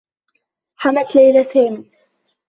حمت ليلى سامي.